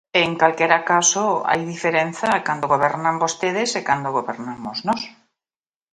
En calquera caso, hai diferenza cando gobernan vostedes e cando gobernamos nós.